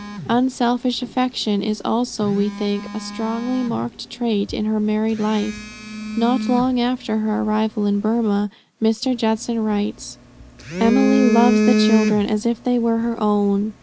Unselfish affection is also, we think, a strongly marked trait in her married life. Not long after their arrival in Burmah, Mr. Judson writes: "Emily loves the children as if they were her own."